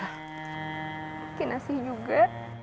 mungkin asih juga